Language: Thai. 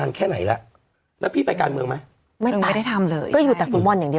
อันคารที่ผ่านมานี่เองไม่กี่วันนี่เอง